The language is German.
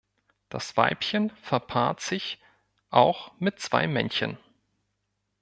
Das Weibchen verpaart sich auch mit zwei Männchen.